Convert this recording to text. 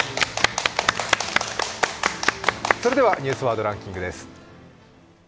それでは「ニュースワードランキング」です。